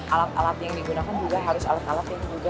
alat alat yang digunakan juga harus alat alat yang juga